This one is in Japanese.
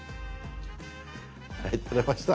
はい撮れました。